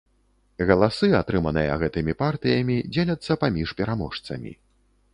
Галасы, атрыманыя гэтымі партыямі, дзеляцца паміж пераможцамі.